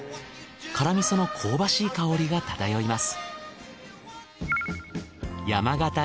辛味噌の香ばしい香りがただよいます。